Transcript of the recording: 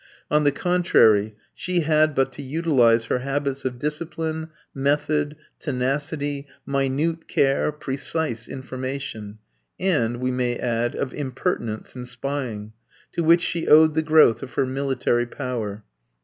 On the contrary, she had but to utilize her habits of discipline, method, tenacity, minute care, precise information and, we may add, of impertinence and spying to which she owed the growth of her military power.